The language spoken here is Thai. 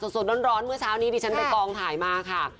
สดร้อนเมื่อเช้านี้ดิฉันไปกองถ่ายมาค่ะ